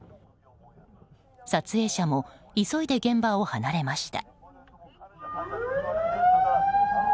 撮影者も急いで現場を離れました。